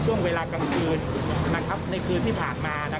ช่วงเวลากลางคืนในคืนที่ผ่านมา